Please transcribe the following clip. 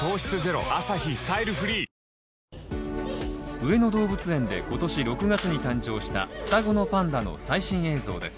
上野動物園で今年６月に誕生した双子のパンダの最新映像です